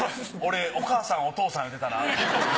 俺お母さんお父さん言うてたな。